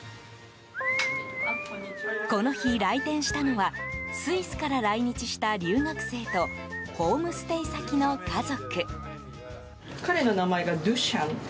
この日、来店したのはスイスから来日した留学生とホームステイ先の家族。